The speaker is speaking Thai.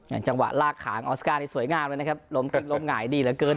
จังหวะลากขางออสการ์นี่สวยงามเลยนะครับล้มกึ้งล้มหงายดีเหลือเกิน